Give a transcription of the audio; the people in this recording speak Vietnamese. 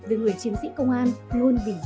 với người chiến sĩ công an luôn vì dân phục vụ